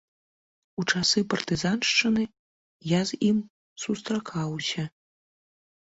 У часы партызаншчыны я з ім сустракаўся.